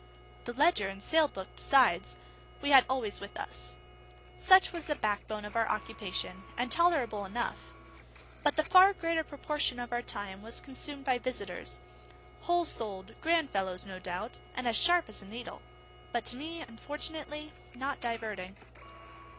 The ledger and sale book, besides, we had always with us. Such was the backbone of our occupation, and tolerable enough; but the far greater proportion of our time was consumed by visitors, whole souled, grand fellows no doubt, and as sharp as a needle, but to me unfortunately not diverting.